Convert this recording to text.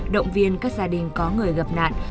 động viên các gia đình có người gặp nạn